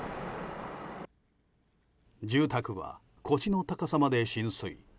住宅は腰の高さまで浸水。